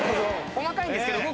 細かいんですけど僕。